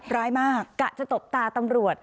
ร้ายมากกะจะตบตาตำรวจ